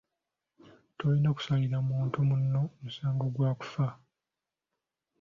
Tolina kusalira muntu munno musango gwa kufa.